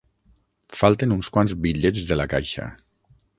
Falten uns quants bitllets de la caixa.